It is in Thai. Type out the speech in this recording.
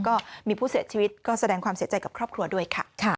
ก็มีผู้เสียชีวิตก็แสดงความเสียใจกับครอบครัวด้วยค่ะ